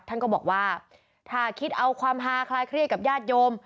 ท่านก็บอกว่าถ้าคิดเอาความฮาคลายเครียดกับญาติโยม